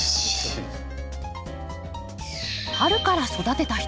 春から育てた人